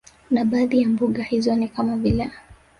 Na baadhi ya mbuga hizo ni kama vile